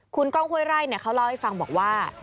คุณก้องห้วยไร่เขาเล่าให้ฟังบอกว่า